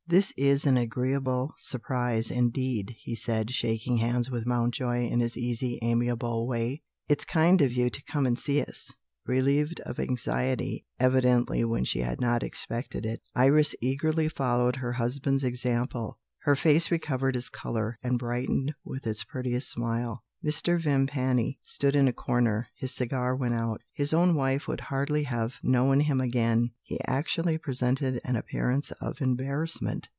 "This is an agreeable surprise, indeed," he said, shaking hands with Mountjoy in his easy amiable way. "It's kind of you to come and see us." Relieved of anxiety (evidently when she had not expected it), Iris eagerly followed her husband's example: her face recovered its colour, and brightened with its prettiest smile. Mr. Vimpany stood in a corner; his cigar went out: his own wife would hardly have known him again he actually presented an appearance of embarrassment!